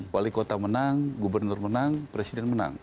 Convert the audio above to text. wali kota menang gubernur menang presiden menang